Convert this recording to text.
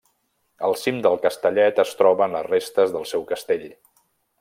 Al cim del Castellet es troben les restes del seu castell.